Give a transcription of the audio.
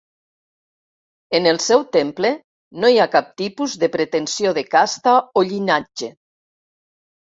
En el seu temple no hi ha cap tipus de pretensió de casta o llinatge.